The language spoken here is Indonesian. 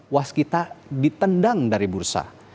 waskita ditendang dari bursa